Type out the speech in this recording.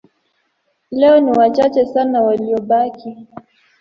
Leo ni wachache sana waliobaki.